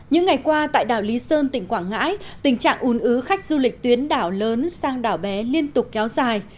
những ngày qua tại đảo lý sơn tỉnh quảng ngãi tình trạng ùn ứ khách du lịch tuyến đảo lớn sang đảo bé liên tục kéo dài